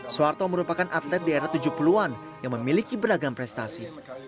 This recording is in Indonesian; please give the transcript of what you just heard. soeharto merupakan atlet di era tujuh puluh an yang memiliki beragam prestasi